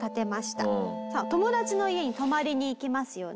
さあ友達の家に泊まりに行きますよね。